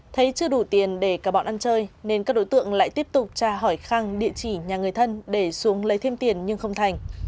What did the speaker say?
thấy chưa đủ tiền để cả bọn ăn chơi nên các đối tượng lại tiếp tục tra hỏi khang địa chỉ nhà người thân để xuống lấy thêm tiền nhưng không thành